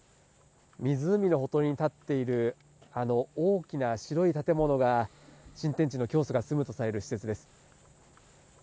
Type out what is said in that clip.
湖のほとりに建っている、あの大きな白い建物が、新天地の教祖が住むとされる施設です。